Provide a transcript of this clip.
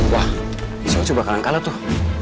wah itu soe bakalan kalah tuh